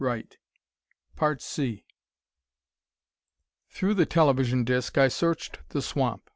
Through the television disc I searched the swamp.